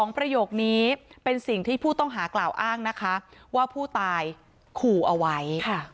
ประโยคนี้เป็นสิ่งที่ผู้ต้องหากล่าวอ้างนะคะว่าผู้ตายขู่เอาไว้